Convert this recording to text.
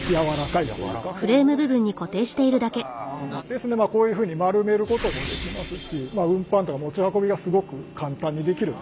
ですんでまあこういうふうに丸めることもできますし運搬とか持ち運びがすごく簡単にできる。